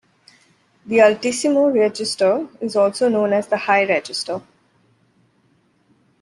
The altissimo register is also known as the "high register".